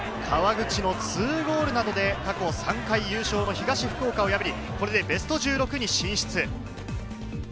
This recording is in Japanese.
川口の２ゴールなどで過去３回優勝の東福岡を破り、これでベスト１６に進出。